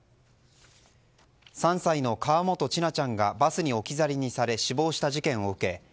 ３歳の河本千奈ちゃんがバスに置き去りにされ死亡した事件を受け